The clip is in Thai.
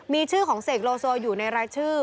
มีชื่อของเสกโลโซอยู่ในรายชื่อ